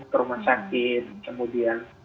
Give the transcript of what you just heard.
ke rumah sakit kemudian